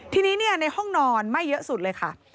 ทีนี้ในห้องนอนไม่เยอะสุดเลยค่ะ